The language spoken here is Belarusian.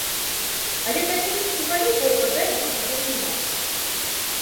Але такіх кнігалюбаў, бадай, будзе вельмі мала.